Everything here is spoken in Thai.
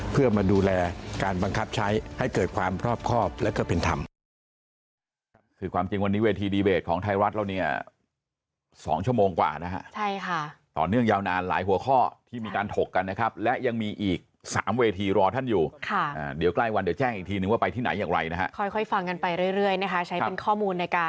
เพื่อมาดูแลการบังคับใช้ให้เกิดความครอบและก็เป็นธรรม